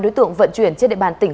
đối tượng vận chuyển trên địa bàn tỉnh